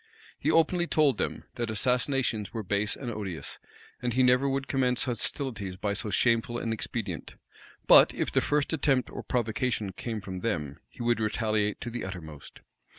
He openly told them, that assassinations were base and odious, and he never would commence hostilities by so shameful an expedient; but if the first attempt or provocation came from them, he would retaliate to the uttermost.